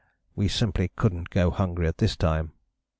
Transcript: We simply couldn't go hungry at this time."